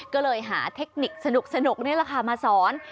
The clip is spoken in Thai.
ก็เลยหาเทคนิคสนุกนี่แหละค่ะมาสอน